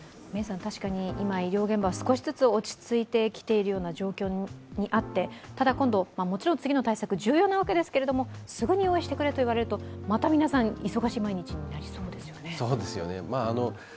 今医療現場、少しずつ落ち着いてきているような状況にあって、ただ今度、もちろん次の対策重要なわけですけどすぐに用意してくれと言われるとまた皆さん忙しい毎日になりそうですよね？